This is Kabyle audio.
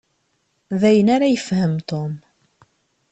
D ayen ara yefhem Tom.